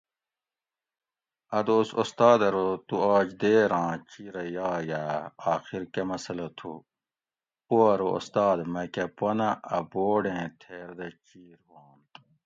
اۤ دوس استاد ارو تو آج دیراں چیرہ یاگاۤ آخر کہۤ مسٔلہ تھو؟ پو ارو استاد میکاۤ پنہ اۤ بورڈ ایں تھیر دہ چیر ہوانت